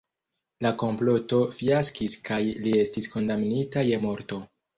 La komploto fiaskis kaj li estis kondamnita je morto.